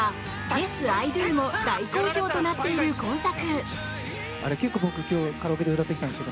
「ｙｅｓ．Ｉ．ｄｏ」も大好評となっている今作。